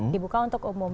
dibuka untuk umum